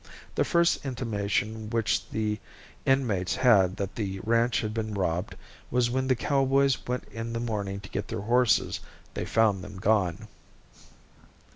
The first intimation which the inmates had that the ranch had been robbed was when the cowboys went in the morning to get their horses they found them gone.